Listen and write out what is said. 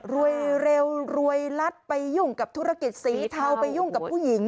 รวยเร็วรวยลัดไปยุ่งกับธุรกิจสีเทาไปยุ่งกับผู้หญิง